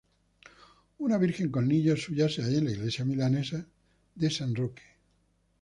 Una Virgen con Niño suya se halla en la iglesia milanese de San Roque.